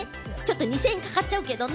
２０００円かかっちゃうけどね。